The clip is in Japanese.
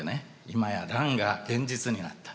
今や乱が現実になった。